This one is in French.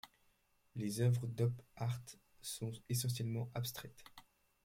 Les œuvres d'op art sont essentiellement abstraites.